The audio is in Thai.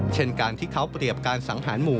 เช่นการที่เขาเปรียบการสังหารหมู่